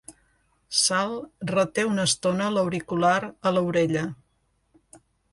Sal reté una estona l'auricular a l'orella.